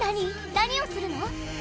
何をするの？